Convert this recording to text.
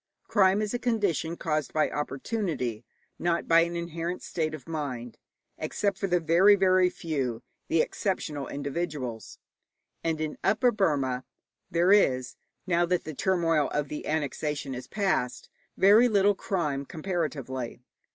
Crime is a condition caused by opportunity, not by an inherent state of mind, except with the very, very few, the exceptional individuals; and in Upper Burma there is, now that the turmoil of the annexation is past, very little crime comparatively.